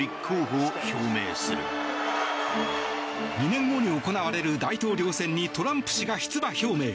２年後に行われる大統領選にトランプ氏が出馬表明。